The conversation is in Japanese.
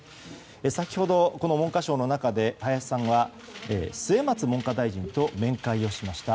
先ほど、文科省の中で林さんは末松文科大臣と面会をしました。